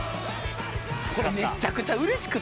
めちゃくちゃうれしくて。